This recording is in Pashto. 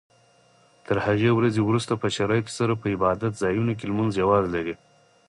تر هغې ورځې وروسته په شرایطو سره په عبادت ځایونو کې لمونځ جواز لري.